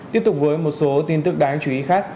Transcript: tiếp tục với một số tin tức đáng chú ý khác